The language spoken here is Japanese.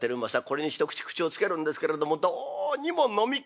これに一口口をつけるんですけれどもどうにも飲み込めない。